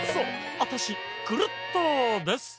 アタシクルットです！